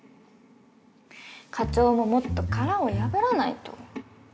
課長ももっと殻を破らないと。